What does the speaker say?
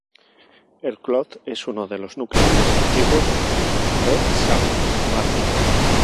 El Clot es uno de los núcleos más antiguos de Sant Martí.